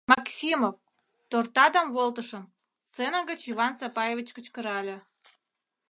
— Максимов, тортадам волтышым! — сцена гыч Иван Сапаевич кычкырале.